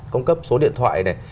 cung cấp số điện thoại này